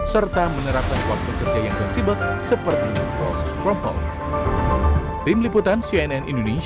serta menerapkan kuat pekerja yang konsibel seperti network from home